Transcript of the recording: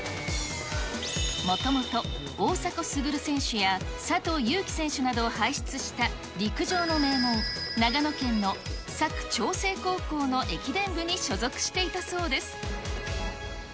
もともと、大迫傑選手や佐藤ゆうき選手などを輩出した陸上の名門、長野県の佐久ちょうせい高校の駅伝部に所属していたそうです。